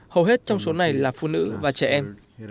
hầu hết trong số này là phụ nữ và trẻ em